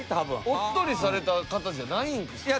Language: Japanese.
おっとりされた方じゃないんですかね？